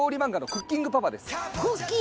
『クッキングパパ』？